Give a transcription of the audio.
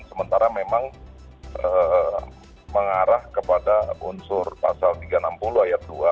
sementara memang mengarah kepada unsur pasal tiga ratus enam puluh ayat dua